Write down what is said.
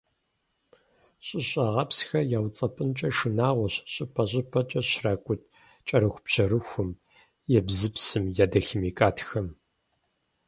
ЩӀыщӀагъыпсхэр яуцӀэпӀынкӀэ шынагъуэщ щӀыпӀэ-щӀыпӀэкӀэ щракӀут кӀэрыхубжьэрыхум, ебзыпсым, ядохимикатхэм.